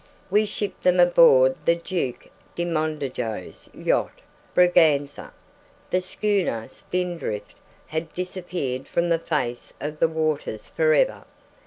We shipped them aboard the Duque de Mondejo's yacht Braganza; the schooner Spindrift had disappeared from the face of the waters for ever.